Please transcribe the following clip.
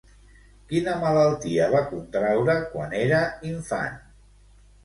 Quina malaltia va contraure quan era infant?